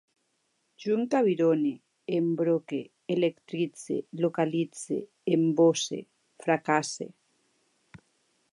Jo encabirone, embroque, electritze, localitze, embosse, fracasse